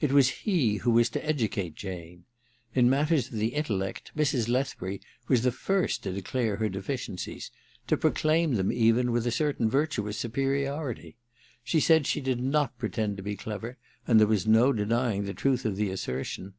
It was he who was to educate Jane. In matters of the intellect, Mrs. Lethbury was the first to declare her deficiencies — ^to proclaim them, even, with a certain virtuous superiority. She said she did not pretend to be clever, and there was no denying the truth of the assertion.